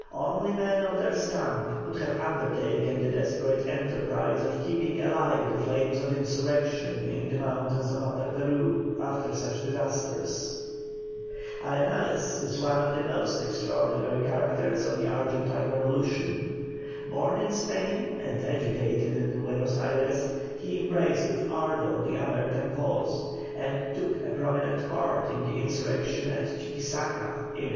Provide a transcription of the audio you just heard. Only men of their stamp could have undertaken the desperate enterprise of keeping alive the flames of insurrection in the mountains of Upper Peru after such disasters. Arenales is one of the most extraordinary characters of the Argentine revolution. Born in Spain and educated in Buenos Ayres, he embraced with ardour the American cause, and took a prominent part in the insurrection at Chuquisaca in 1809.